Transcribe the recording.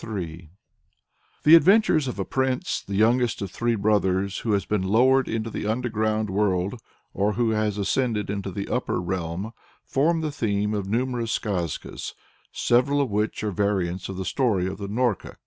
] The Adventures of a prince, the youngest of three brothers, who has been lowered into the underground world or who has ascended into an enchanted upper realm, form the theme of numerous skazkas, several of which are variants of the story of Norka.